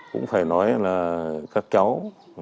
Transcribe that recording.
cũng phải nói là các cháu